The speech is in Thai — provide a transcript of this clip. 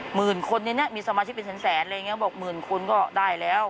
หมื่นคนมีสมาชิกเป็นแสนบอกหมื่นคนก็ได้แล้ว